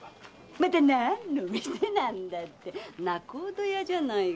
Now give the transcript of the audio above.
また「何の店」だって仲人屋じゃないか。